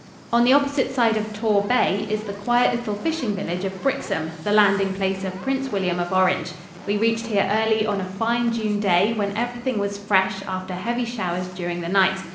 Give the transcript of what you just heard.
On the opposite side of Tor Bay is the quiet little fishing village of Brixham, the landing place of Prince William of Orange. We reached here early on a fine June day when everything was fresh after heavy showers during the night.